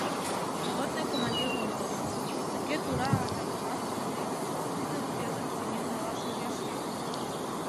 Ротный командир умылыш: тыге тура атаковатлыме дене тиде рубежым сеҥен налаш огеш лий.